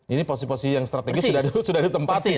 ini posisi posisi yang strategis sudah ditempati